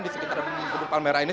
di sekitar gedung palmerah ini